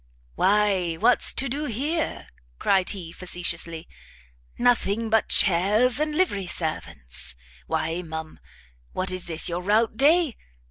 "Why what's to do here?" cried he, facetiously, "nothing but chairs and livery servants! Why, ma'am, what is this your rout day?